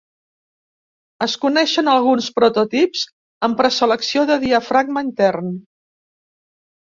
Es coneixen alguns prototips amb preselecció de diafragma intern.